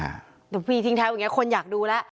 หรอแต่ปีที่ท้ายแบบนี้คนอยากดูแล้ว